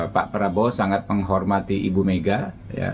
pak prabowo sangat menghormati ibu mega ya